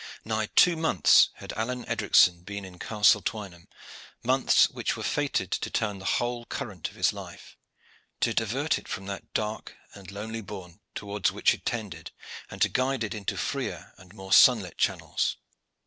Nigh two months had Alleyne Edricson been in Castle Twynham months which were fated to turn the whole current of his life, to divert it from that dark and lonely bourne towards which it tended, and to guide it into freer and more sunlit channels.